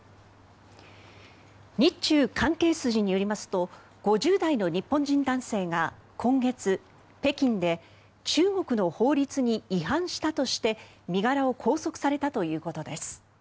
日中関係筋によりますと５０代の日本人男性が今月、北京で中国の法律に違反したとして身柄を拘束されたということです。